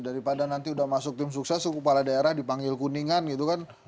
daripada nanti udah masuk tim sukses suku kepala daerah dipanggil kuningan gitu kan